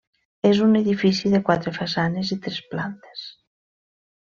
És un edifici de quatre façanes i tres plantes.